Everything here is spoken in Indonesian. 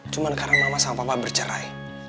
cuma karena mama sama papa bercerai